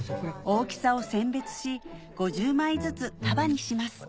大きさを選別し５０枚ずつ束にします